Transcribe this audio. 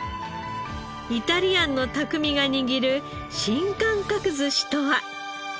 イタリアンの匠が握る新感覚寿司とは？